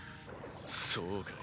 そうかい。